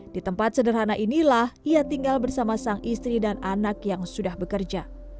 di tempat sederhana inilah ia tinggal bersama sang istri dan anak yang sudah bekerja